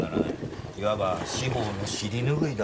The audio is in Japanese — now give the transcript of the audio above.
いわば司法の尻拭いだ。